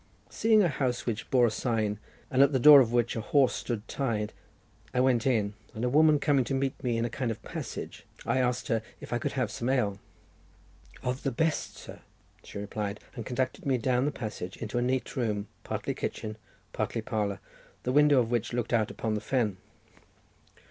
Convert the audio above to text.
Seeing a house which bore a sign, and at the door of which a horse stood tied, I went in, and a woman coming to meet me in a kind of passage, I asked her if I could have some ale. "Of the best, sir," she replied, and conducted me down the passage into a neat room, partly kitchen, partly parlour, the window of which looked out upon the fen.